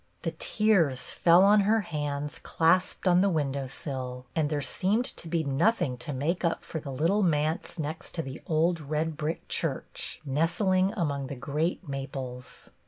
The tears fell on her hands clasped on the window sill, and there seemed to be nothing to make up for the little manse next to the old red brick church nestling among the great maples.